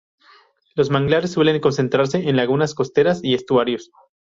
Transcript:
Los manglares suelen concentrarse en lagunas costeras y estuarios.